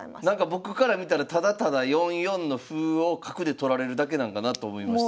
僕から見たらただただ４四の歩を角で取られるだけなんかなと思います。